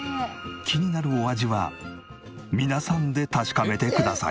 気になるお味は皆さんで確かめてください。